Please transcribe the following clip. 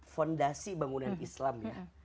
fondasi bangunan islam